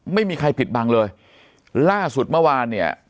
ไม่มีใครปิดบังเลยล่าสุดเมื่อวานเนี่ย